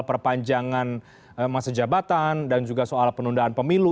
perpanjangan masa jabatan dan juga soal penundaan pemilu